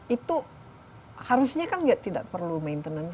itu harusnya kan tidak perlu maintenance